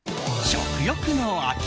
食欲の秋！